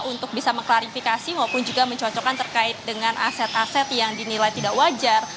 untuk bisa mengklarifikasi maupun juga mencocokkan terkait dengan aset aset yang dinilai tidak wajar